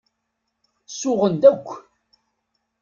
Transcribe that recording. Suɣen-d akk.